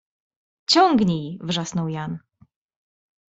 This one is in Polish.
— Ciągnij! — wrzasnął Jan.